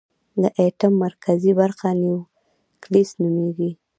د ایټم مرکزي برخه نیوکلیس نومېږي.